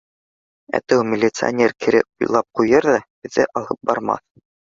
Әтеү, милиционер кире уйлап ҡуйыр ҙа, беҙҙе алып бармаҫ.